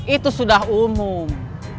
itu sudah umum